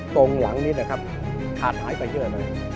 ตรงหลังนี้นะครับขาดหายไปเยอะเลย